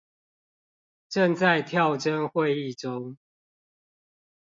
正在跳針會議中